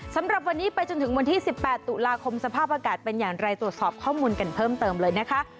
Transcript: สำหรับวันนี้ไปจนถึงวันที่๑๘ตุลาคมสภาพอากาศเป็นอย่างไรตรวจสอบข้อมูลกันเพิ่มเติมเลยนะคะ